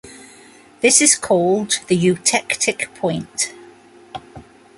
This is called the eutectic point.